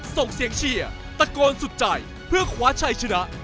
ส่งเสียงเชียร์ตะโกนสุดใจเพื่อคว้าชัยชนะ